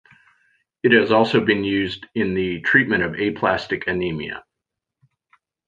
It has also been used in the treatment of aplastic anemia.